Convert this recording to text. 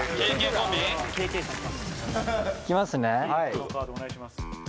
カードお願いします。